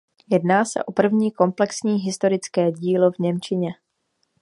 Jedná se o první komplexní historické dílo v němčině.